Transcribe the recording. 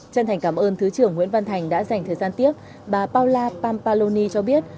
chân thành cảm ơn thứ trưởng nguyễn văn thành đã dành thời gian tiếp bà paula pampaloni cho biết